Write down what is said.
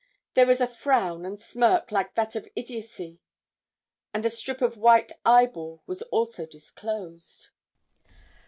There was a frown and smirk like that of idiotcy, and a strip of white eyeball was also disclosed.